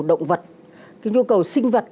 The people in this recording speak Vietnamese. động vật cái nhu cầu sinh vật